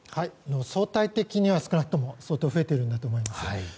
相対的には少なくとも増えていると思います。